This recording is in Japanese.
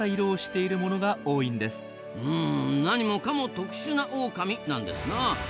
うん何もかも特殊なオオカミなんですなあ。